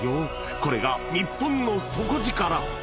これが日本の底力